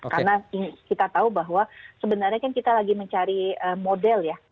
karena kita tahu bahwa sebenarnya kan kita lagi mencari model ya